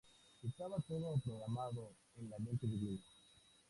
Estaba todo programado en la Mente Divina.